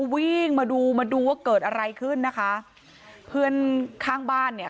วิ่งมาดูมาดูว่าเกิดอะไรขึ้นนะคะเพื่อนข้างบ้านเนี่ย